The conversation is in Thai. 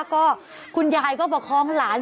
ก็คุณยายก็ประคองหลาน